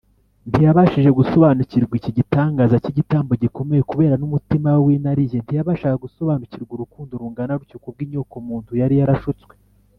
. Ntiyabashije gusobanukirwa iki gitangaza cy’igitambo gikomeye. Kubera n’umutima we w’inarijye, ntiyabashaga gusobanukirwa urukundo rungana rutyo kubw’inyokomuntu yari yarashutswe.